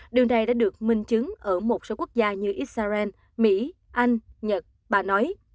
điều này đã được minh chứng ở một số quốc gia như israel mỹ anh nhật bà nói